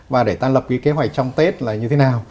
và để ta lập cái kế hoạch trong tết là như thế nào